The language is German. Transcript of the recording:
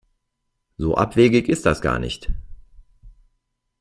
So abwegig ist das gar nicht.